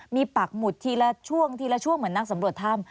มีปักหมุนทีละช่วงเหมือนนักสำรวจถ้ำ